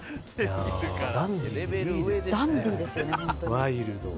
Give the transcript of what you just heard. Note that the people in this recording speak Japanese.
ワイルド。